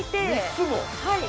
・はい。